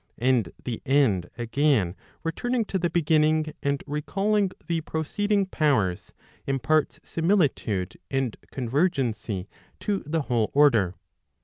And the end again returning to the beginning, and recalling the proceeding powers, imparts similitude and convergency to the whole order.